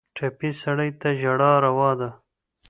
ټپي سړی ته ژړا روا ده.